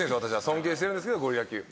尊敬してるんですけどゴリラ級。